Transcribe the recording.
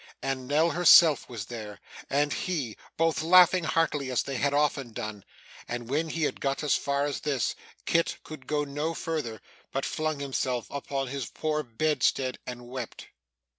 And Nell herself was there, and he both laughing heartily as they had often done and when he had got as far as this, Kit could go no farther, but flung himself upon his poor bedstead and wept.